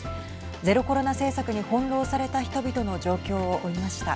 ゼロコロナ政策に翻弄された人々の状況を追いました。